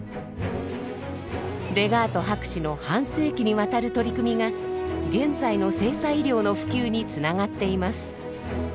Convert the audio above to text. レガート博士の半世紀にわたる取り組みが現在の性差医療の普及につながっています。